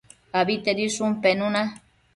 Abitedishun penuna